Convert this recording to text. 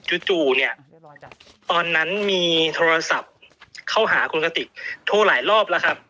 จู่เนี่ยตอนนั้นมีโทรศัพท์เข้าหาคุณกติกโทรหลายรอบแล้วครับ